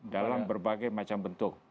dalam berbagai macam bentuk